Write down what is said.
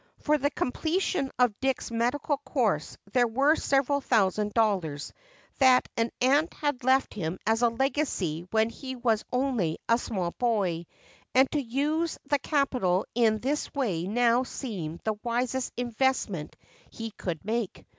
For the completion of Dick's medical course there were several thousand dollars that an aunt had left him as a legacy when he was only a small boy and to use the capital in this way now seemed the wisest investment he could make.